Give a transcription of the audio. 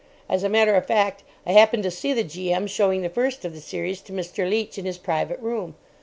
As a matter of fact, I happened to see the G.M. showing the first of the series to Mr. Leach in his private room.